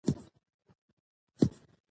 نجونې به تر هغه وخته پورې بیرغ رپوي.